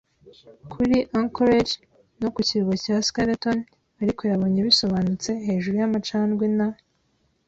kuri Anchorage no ku kirwa cya Skeleton, ariko yabonye - bisobanutse hejuru y'amacandwe na